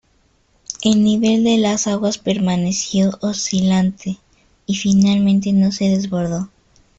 El nivel de las aguas permaneció oscilante y finalmente no se desbordó.